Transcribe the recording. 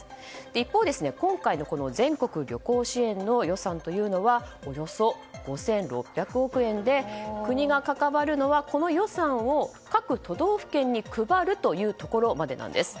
一方、今回の全国旅行支援の予算というのはおよそ５６００億円で国が関わるのはこの予算を各都道府県に配るというところまでなんです。